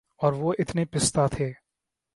اور وہ اتنے پستہ تھے